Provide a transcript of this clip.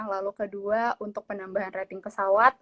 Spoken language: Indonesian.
lalu kedua untuk penambahan rating pesawat